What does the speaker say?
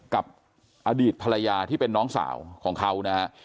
กับอดีตภรรยาที่เป็นน้องสาวของเขานะฮะ